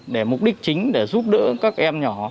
để mục đích chính để giúp đỡ các em nhỏ